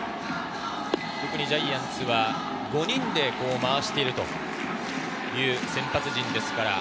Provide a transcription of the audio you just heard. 特にジャイアンツは５人で回しているという先発陣です。